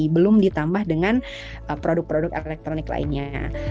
belum ditambah dengan produk produk elektronik lainnya